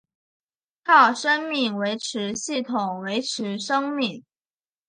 靠生命维持系统维持生命。